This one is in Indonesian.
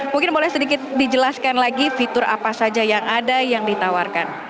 mungkin boleh sedikit dijelaskan lagi fitur apa saja yang ada yang ditawarkan